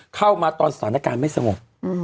เข้ามาตอนสถานการณ์ไม่สงบ